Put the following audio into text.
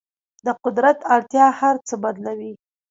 د قدرت اړتیا هر څه بدلوي.